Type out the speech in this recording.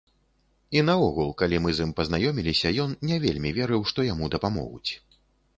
І наогул, калі мы з ім пазнаёміліся, ён не вельмі верыў, што яму дапамогуць.